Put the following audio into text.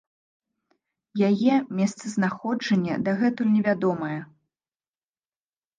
Яе месцазнаходжанне дагэтуль невядомае.